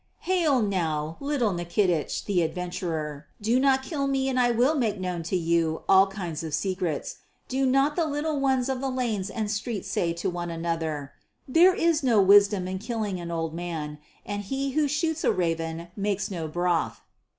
"Hail now, little Nikitich, the adventurer. Do not kill me and I will make known to you all kinds of secrets. Do not the little ones of the lanes and streets say to one another, 'There is no wisdom in killing an old man, and he who shoots a raven makes no broth.'